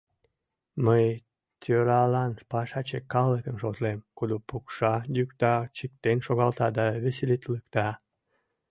Мый тӧралан пашаче калыкым шотлем, кудо пукша, йӱкта, чиктен шогалта да веселитлыкта.